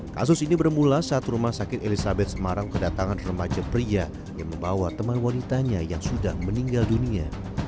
kasus ini bermula saat rumah sakit elizabeth semarang kedatangan remaja pria yang membawa teman wanitanya yang sudah meninggal dunia